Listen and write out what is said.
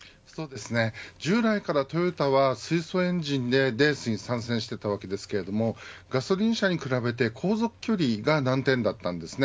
従来からトヨタは水素エンジンでレースに参戦したわけですがガソリン車に比べて航続距離が難点だったんです。